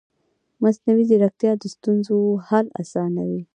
مصنوعي ځیرکتیا د ستونزو حل اسانه کوي.